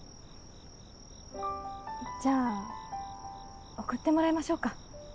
じゃあ送ってもらいましょうか。